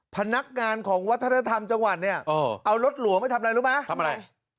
พนักงานของวัฒนธรรมจังหวัดเนี่ยเอารถหลวงไปทำอะไรรู้ไหมทำอะไร